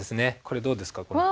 これどうですか？